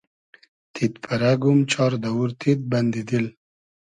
تید پئرئگوم چار دئوور تید, بئندی دیل